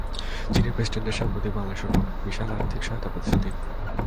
চীনের প্রেসিডেন্টের সাম্প্রতিক বাংলাদেশ সফর, বিশাল আর্থিক সহায়তার প্রতিশ্রুতি?